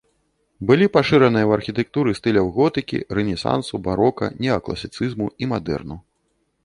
Былі пашыраныя ў архітэктуры стыляў готыкі, рэнесансу, барока, неакласіцызму і мадэрну.